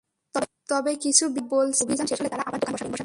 তবে কিছু বিক্রেতা বলছিলেন অভিযান শেষ হলে তাঁরা আবার দোকান বসাবেন।